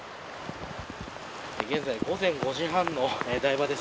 現在、午前５時半のお台場です。